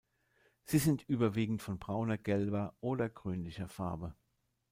Sie sind überwiegend von brauner, gelber oder grünlicher Farbe.